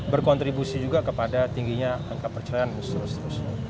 berkontribusi juga kepada tingginya angka perceraian dan seterusnya